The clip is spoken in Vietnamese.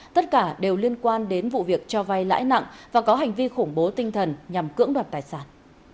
tất cả đều liên quan đến vụ việc cho vay lãi nặng và có hành vi khủng bố tinh thần nhằm cưỡng đoạt tài sản